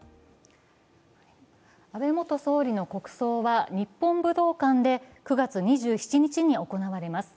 安倍元総理の国葬は日本武道館で９月２７日に行われます。